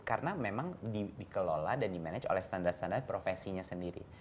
karena memang dikelola dan dimanage oleh standar standar profesinya sendiri